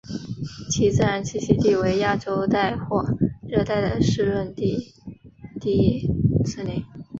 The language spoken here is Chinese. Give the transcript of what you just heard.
其自然栖息地为亚热带或热带的湿润低地森林。